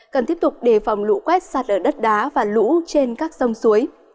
cần tiếp tục đề phòng lũ quét sạt ở đất đá và lũ trên các sông suối